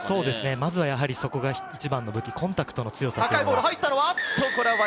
まずそこが一番の武器、コンタクトの強さです。